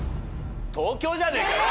東京じゃねえかよ！